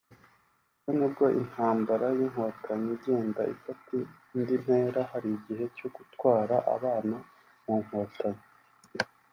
ubwo nibwo intambara y’inkotanyi igenda ifata indi ntera hari igihe cyo gutwara abana mu nkotanyi